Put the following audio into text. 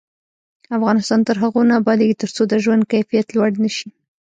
افغانستان تر هغو نه ابادیږي، ترڅو د ژوند کیفیت لوړ نشي.